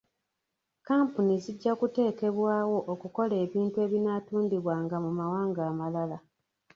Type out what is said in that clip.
Kkampuni zijja kuteekebwawo okukola ebintu ebinaatundibwanga mu mawanga amalala.